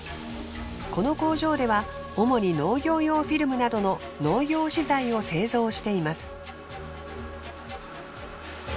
この工場では主に農業用フィルムなどの農業資材を製造しています。